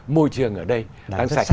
môi trường ở đây đang sạch